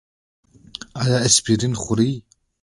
ایا اسپرین خورئ؟